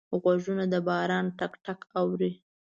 غوږونه د باران ټک ټک اوري